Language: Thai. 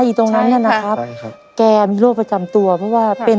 อยู่ตรงนั้นน่ะนะครับใช่ครับแกมีโรคประจำตัวเพราะว่าเป็น